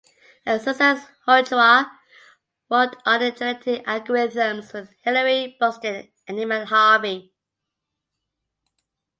At Sussex Ochoa worked on genetic algorithms with Hilary Buxton and Inman Harvey.